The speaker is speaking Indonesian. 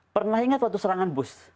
pernah ingat waktu serangan bus